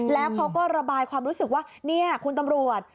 แล้วเขาก็ระบายความรู้สึกว่าเนี่ยคุณตำรวจ